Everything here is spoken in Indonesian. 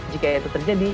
jika itu terjadi